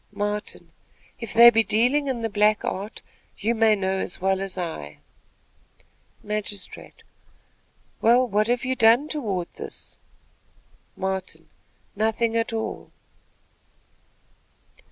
Martin. "If they be dealing in the black art, you may know as well as I." Magistrate. "Well, what have you done toward this?" Martin. "Nothing at all."